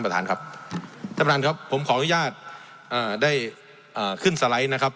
ท่านประธานครับผมขออนุญาตได้ขึ้นสไลด์นะครับ